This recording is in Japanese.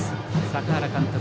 坂原監督